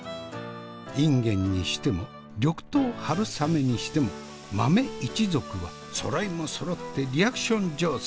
インゲンにしても緑豆春雨にしても豆一族はそろいもそろってリアクション上手。